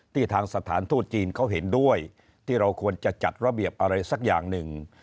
ทางสถานทูตจีนเขาเห็นด้วยที่เราควรจะจัดระเบียบอะไรสักอย่างหนึ่ง